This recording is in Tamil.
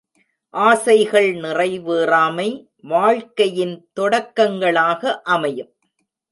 ஆசைகள் நிறைவேறாமை, வாழ்க்கையின் தொடக்கங்களாக அமையும்.